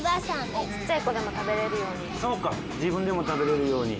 そうか自分でも食べれるように。